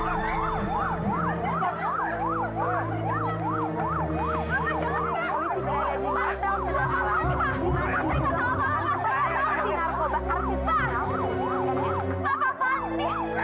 pak pak pak pak